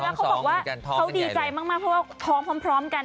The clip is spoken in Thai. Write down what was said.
แล้วเขาบอกว่าเขาดีใจมากเพราะว่าท้องพร้อมกัน